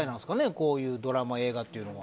こういうドラマ、映画というのは。